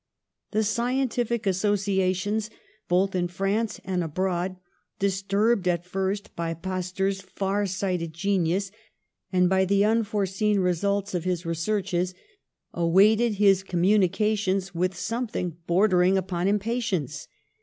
The scientific associations, both in France and abroad, disturbed at first by Pasteur's far sighted genius and by the unforeseen results of his researches, awaited his communications with something bordering upon impatience.